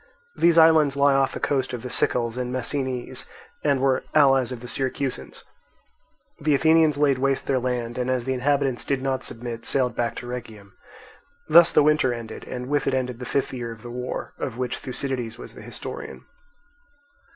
These islands lie off the coast of the Sicels and Messinese, and were allies of the Syracusans. The Athenians laid waste their land, and as the inhabitants did not submit, sailed back to Rhegium. Thus the winter ended, and with it ended the fifth year of this war, of which Thucydides was the historian.